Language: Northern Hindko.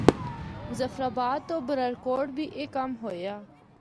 مظفرآباد تو برارکوٹ بھی اے کم ہویا۔